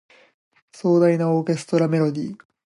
壮大なオーケストラメロディ